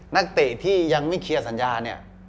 นักเตะที่ยังไม่เคลียร์สัญญาเนี่ย